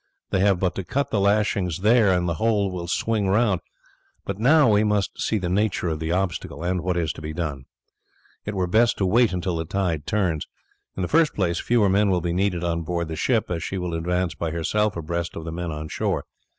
They have but to cut the lashings there and the whole will swing round. But now we see the nature of the obstacle, and what is to be done, it were best to wait until the tide turns. In the first place, fewer men will be needed on board the ship, as she will advance by herself abreast of the men on shore.